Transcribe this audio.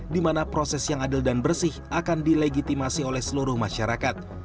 di mana proses yang adil dan bersih akan dilegitimasi oleh seluruh masyarakat